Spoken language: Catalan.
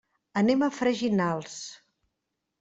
Anem a Freginals.